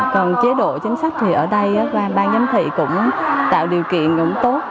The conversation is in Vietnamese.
còn chế độ chính sách thì ở đây ban giám thị cũng tạo điều kiện cũng tốt